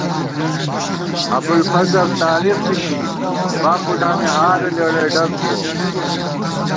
ابُوالفضل تارېخ لِکی ، باب بُڈانی حالہ لېڑئی ڈگ بُوَہ